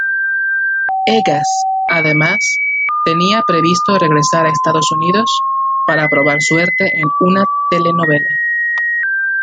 Egas, además, tenía previsto regresar a Estados Unidos para probar suerte en una telenovela.